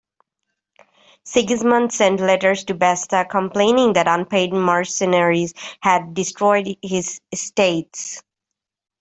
Sigismund sent letters to Basta, complaining that unpaid mercenaries had destroyed his estates.